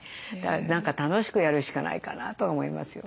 何か楽しくやるしかないかなとは思いますよね。